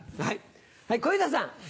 はい小遊三さん。